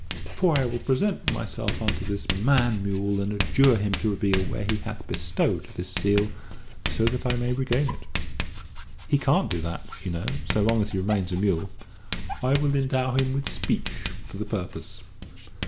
For I will present myself unto this man mule and adjure him to reveal where he hath bestowed this seal, so that I may regain it." "He can't do that, you know, so long as he remains a mule." "I will endow him with speech for the purpose."